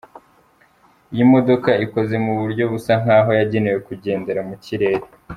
Iyi modoka ikoze mu buryo busa nk’aho yagenewe kugendera mu kirere.